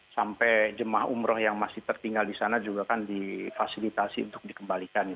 sampai jemaah umroh yang masih tertinggal di sana juga kan difasilitasi untuk dikembalikan